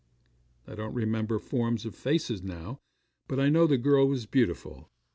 'I don't remember forms or faces now, but I know the girl was beautiful.